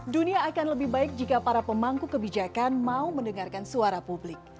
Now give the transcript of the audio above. dunia akan lebih baik jika para pemangku kebijakan mau mendengarkan suara publik